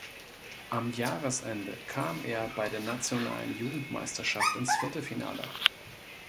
Am Jahresende kam er bei der nationalen Jugendmeisterschaft ins Viertelfinale.